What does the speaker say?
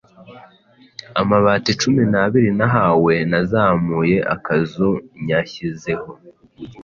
amabati cumi nabiri nahawe nazamuye akazu nyashyizeho